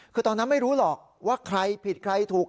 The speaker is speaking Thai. คือตอนนั้นไม่รู้หรอกว่าใครผิดใครถูก